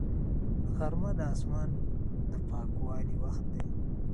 غرمه د اسمان د پاکوالي وخت دی